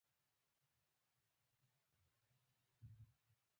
د ده وینا وه چې ما هم ترې ژوند اخیستی.